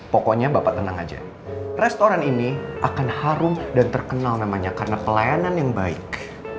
pokoknya bapak tenang aja restoran ini akan harum dan terkenal namanya karena pelayanan yang baik